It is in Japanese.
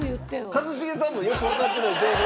一茂さんもよくわかってない情報